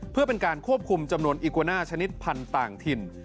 เพื่อเป็นการควบคุมจำนวนอิโกน่าชนิดพันธุ์ต่างถิ่น